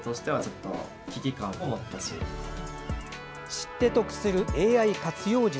知って得するＡＩ活用術。